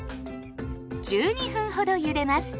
１２分ほどゆでます。